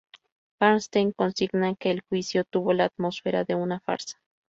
Bernstein consigna que el juicio tuvo la atmósfera de una farsa.